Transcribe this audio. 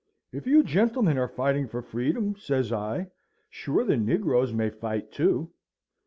"If you, gentlemen are fighting for freedom," says I, "sure the negroes may fight, too."